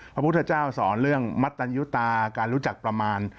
พระพุทธเจ้าสอนเรื่องมัตตัญญุตาการรู้จักประมาณ